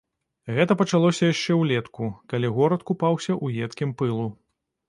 Гэта пачалося яшчэ ўлетку, калі горад купаўся ў едкім пылу.